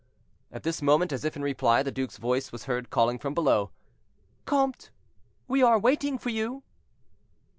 At this moment, as if in reply, the duke's voice was heard calling from below: "Comte, we are waiting for you."